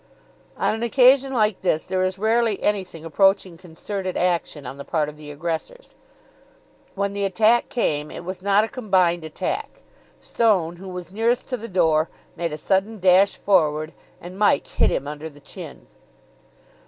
On an occasion like this there is rarely anything approaching concerted action on the part of the aggressors. When the attack came, it was not a combined attack; Stone, who was nearest to the door, made a sudden dash forward, and Mike hit him under the chin.